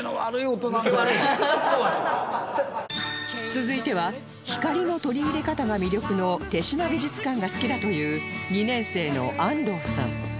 続いては光の取り入れ方が魅力の豊島美術館が好きだという２年生の安藤さん